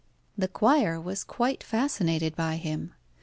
The choir were quite fascinated by him.